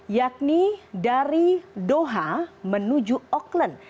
yakni dari doha menuju auckland